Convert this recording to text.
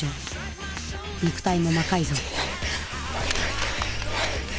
肉体も魔改造。